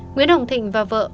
nguyễn hồng thịnh và vợ